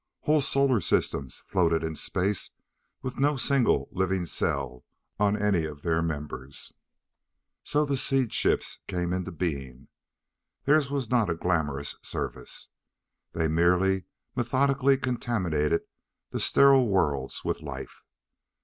Whole solar systems floated in space with no single living cell on any of their members. So the Seed Ships came into being. Theirs was not a glamorous service. They merely methodically contaminated the sterile worlds with life.